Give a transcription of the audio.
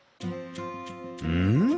うん？